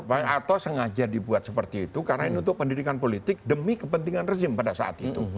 atau sengaja dibuat seperti itu karena ini untuk pendidikan politik demi kepentingan rezim pada saat itu